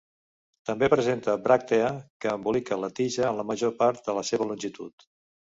També presenta bràctea que embolica la tija en la major part de la seva longitud.